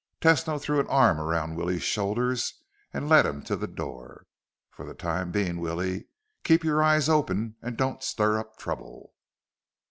Tesno threw an arm around Willie's shoulders and led him to the door. "For the time being, Willie, keep your eyes open and don't stir up trouble."